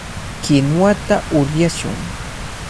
Kinuwata uryashun.